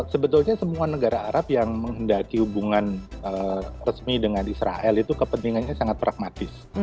sebetulnya semua negara arab yang menghendaki hubungan resmi dengan israel itu kepentingannya sangat pragmatis